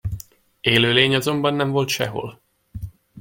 Élőlény azonban nem volt sehol.